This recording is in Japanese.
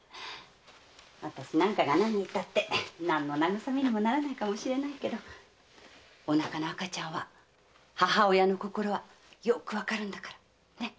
あたしなんかが何言ったって何の慰めにもならないけどお腹の赤ちゃんは母親の心はよくわかるんだから。ね？